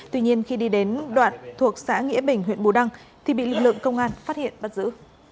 tuy nhiên khi đi đến đoạn thuộc xã nghĩa bình huyện bù đăng thì bị lực lượng công an phát hiện bắt giữ